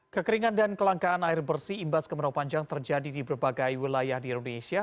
kekeringan dan kelangkaan air bersih imbas kemerau panjang terjadi di berbagai wilayah di indonesia